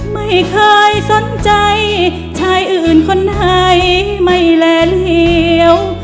ไม่เคยสนใจชายอื่นคนไหนไม่แลเหลี่ยว